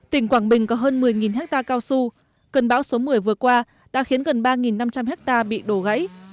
tỉnh quảng bình có hơn một mươi hectare cao su cơn bão số một mươi vừa qua đã khiến gần ba năm trăm linh hectare bị đổ gãy